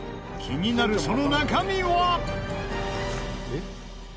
気になるその中身は。